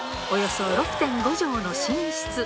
およそ６．５畳の寝室。